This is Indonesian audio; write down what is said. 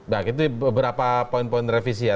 baik itu beberapa poin poin revisi ya